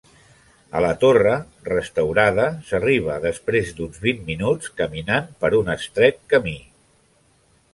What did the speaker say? A la torre, restaurada, s'arriba després d'uns vint minuts caminant per un estret camí.